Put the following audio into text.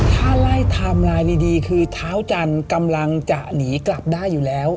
ถ้าไล่ไทม์ไลน์ดีคือเท้าจันทร์กำลังจะหนีกลับได้อยู่แล้ว